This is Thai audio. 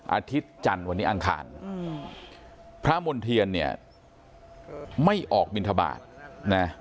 อาทิตย์จันทร์วันนี้อังคารพระมณ์เทียนเนี่ยไม่ออกบินทบาทนะ